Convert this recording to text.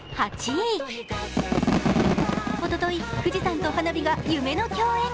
おととい、富士山と花火が夢の共演。